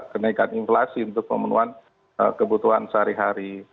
kenaikan inflasi untuk pemenuhan kebutuhan sehari hari